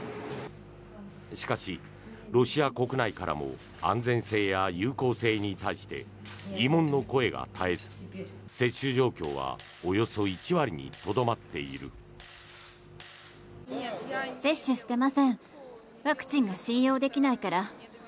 しかし、ロシア国内からも安全性や有効性に対して疑問の声が絶えず接種状況はおよそ１割にとどまっている。